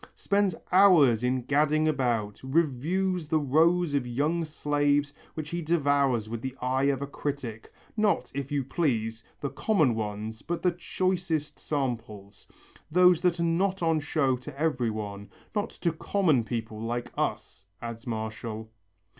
"Spends hours in gadding about, reviews the rows of young slaves which he devours with the eye of a critic, not, if you please, the common ones but the choicest samples, those that are not on show to every one, not to common people like us," adds Martial.